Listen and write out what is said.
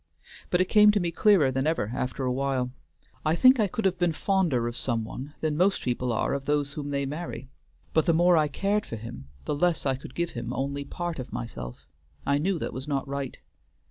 But it came to me clearer than ever after a while. I think I could have been fonder of some one than most people are of those whom they marry, but the more I cared for him the less I could give him only part of myself; I knew that was not right.